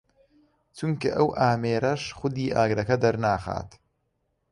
چونکە ئەو ئامێرەش خودی ئاگرەکە دەرناخات